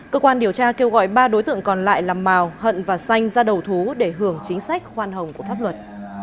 cơ quan điều tra kêu gọi ba đối tượng còn lại là mào hận và xanh ra đầu thú để hưởng chính sách hoan hồng của pháp luật